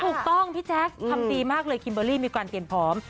ถูกต้องพี่แจ็คทำดีมากเลยคิมเบอร์รี่มีการเปลี่ยนพร้อม